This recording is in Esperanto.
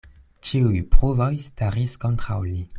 Ĉiuj pruvoj staris kontraŭ li.